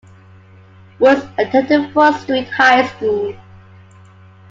Woods attended Fort Street High School.